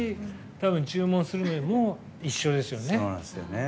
多分、注文するのも一緒ですよね。